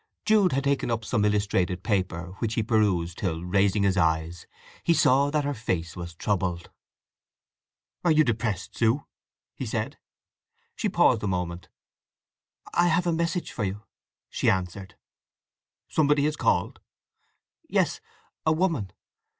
Jude had taken up some illustrated paper, which he perused till, raising his eyes, he saw that her face was troubled. "Are you depressed, Sue?" he said. She paused a moment. "I have a message for you," she answered. "Somebody has called?" "Yes. A woman."